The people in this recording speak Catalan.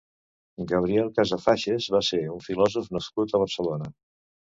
Gabriel Casafages va ser un filòsof nascut a Barcelona.